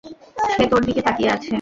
সে তোর দিকে তাকিয়ে আছে।